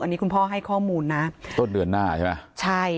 อันนี้คุณพ่อให้ข้อมูลนะต้นเดือนหน้าใช่ไหมใช่